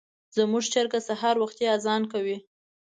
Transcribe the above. زموږ چرګه سهار وختي اذان کوي.